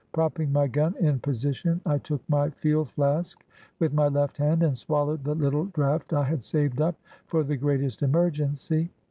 Propping my gun in position, I took my field flask with my left hand and swallowed the little draught I had saved up for the greatest emergency.